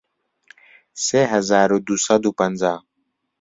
سێ هەزار و دوو سەد و پەنجا